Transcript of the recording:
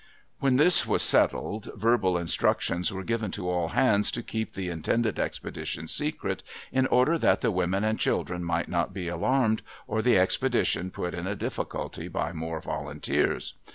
When this was settled, verbal instructions were given to all hands to keep the intended expedition secret, in order that the women and children might not be alarmed, or the expedition put in a difficulty by more volunteers.